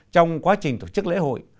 trong quá trình tổ chức lễ hội